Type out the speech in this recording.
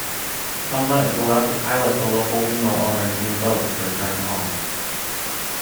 Tomba is allowed to pilot the local windmill owner's new boat to return home.